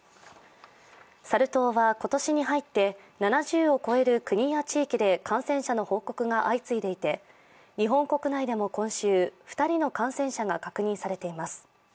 サル痘は今年に入って７０を超える国や地域で感染者の報告が相次いでいて、日本国内でも今週２人の感染者が確認されています。